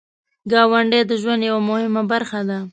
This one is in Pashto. ګاونډی د ژوند یو مهم برخه ده